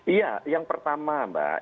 iya yang pertama mbak